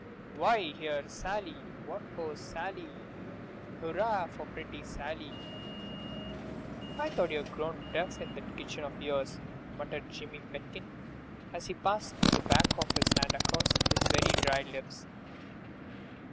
"Why, here's Sally! What ho, Sally! Hurrah for pretty Sally!" "I thought you'd grown deaf in that kitchen of yours," muttered Jimmy Pitkin, as he passed the back of his hand across his very dry lips.